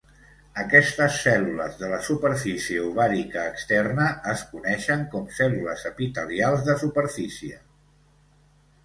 Aquestes cèl·lules de la superfície ovàrica externa es coneixen com cèl·lules epitelials de superfície.